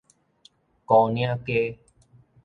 牯嶺街